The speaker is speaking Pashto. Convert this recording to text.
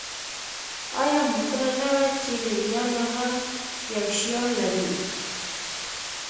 آیا ممکنه نه وه چې لېلیانو هم یو شیام لرلی